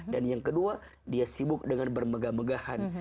dan yang kedua dia sibuk dengan bermegah megahan